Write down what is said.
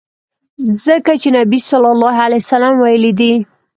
ځکه چي نبي ص ویلي دي.